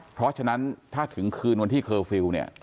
เพราะฉะนั้นถ้าถึงคืนวันที่เคอร์ฟิลล์เนี่ย